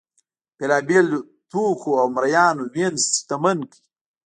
بېلابېلو توکو او مریانو وینز شتمن کړ.